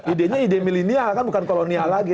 ide nya ide milenial kan bukan kolonial lagi